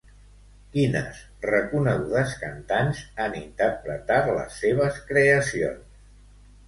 Quines reconegudes cantants han interpretat les seves creacions?